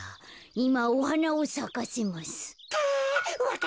いまおはなをさかせます。か。